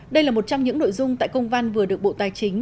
đây là một trong những nội dung tại công văn vừa được bộ tài chính